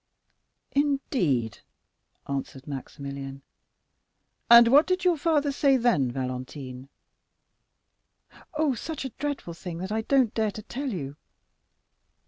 '" "Indeed," answered Maximilian; "and what did your father say then, Valentine?" "Oh, such a dreadful thing, that I don't dare to tell you."